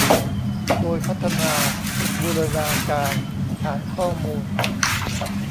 โดยพัฒนาบูรณาการฐานข้อมูล